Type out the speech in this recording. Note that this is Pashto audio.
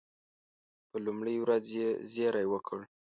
په لومړۍ ورځ یې زېری وکړ.